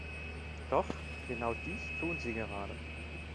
Doch genau dies tun Sie gerade.